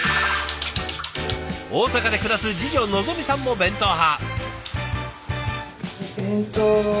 大阪で暮らす次女のぞみさんも弁当派。